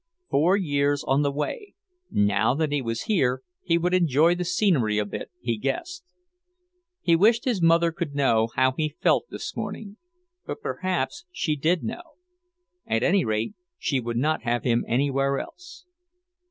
Four years on the way; now that he was here, he would enjoy the scenery a bit, he guessed. He wished his mother could know how he felt this morning. But perhaps she did know. At any rate, she would not have him anywhere else.